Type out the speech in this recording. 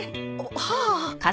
はあ。